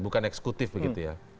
bukan eksekutif begitu ya